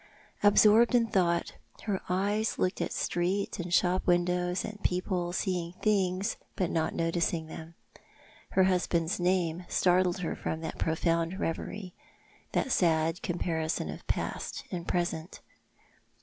Absorbed in thought, her eyes looked at street, and shop windows, and people, seeing things, but not noticing them. Her husband's name startled her from that profound reverie ; that sad comparison of past and jDresent.